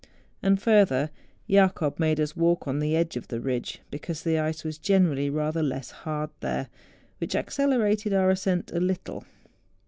And further, Jacob made us walk on the edge of the ridge, because the ice was generally rather less hard there, which accelerated our ascent a little.